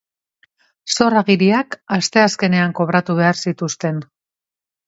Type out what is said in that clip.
Zor-agiriak asteazkenean kobratu behar zituzten.